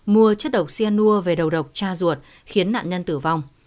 mua chất độc xe nua về đầu độc cha ruột khiến nạn nhân tử vong